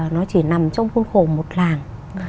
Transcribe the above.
nó chỉ nằm trong khuôn khổ một làng